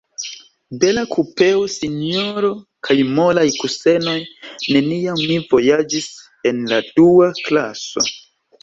Bela kupeo, sinjoro, kaj molaj kusenoj; neniam mi vojaĝis en la dua klaso.